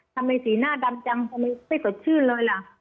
สีหน้าดำจังทำไมไม่สดชื่นเลยล่ะ